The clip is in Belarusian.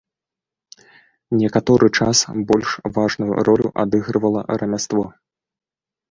Некаторы час больш важную ролю адыгрывала рамяство.